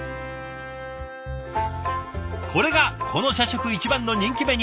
これがこの社食一番の人気メニュー